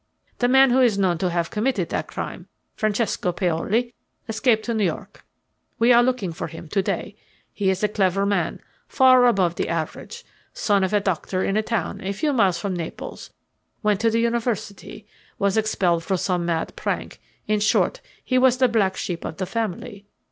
The man who is known to have committed that crime Francesco Paoli escaped to New York. We are looking for him to day. He is a clever man, far above the average son of a doctor in a town a few miles from Naples, went to the university, was expelled for some mad prank in short, he was the black sheep of the family.